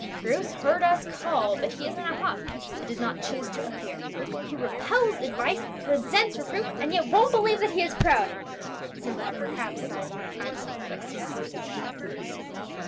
"Bruce heard us call, but he is in a huff, and did not choose to appear. He repels advice, resents reproof, and yet won't believe that he's proud! No more, perhaps, than I believe that I'm selfish!"